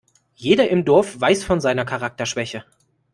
Jeder im Dorf weiß von seiner Charakterschwäche.